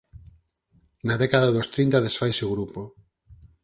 Na década dos trinta desfaise o grupo.